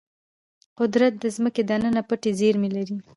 قدرت د ځمکې دننه پټې زیرمې لري.